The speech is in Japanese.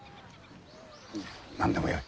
何でもよい。